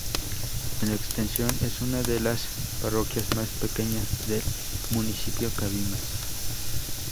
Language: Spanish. En extensión es una de las parroquias más pequeñas del municipio Cabimas.